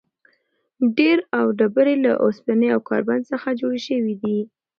ډېری دا ډبرې له اوسپنې او کاربن څخه جوړې شوې وي.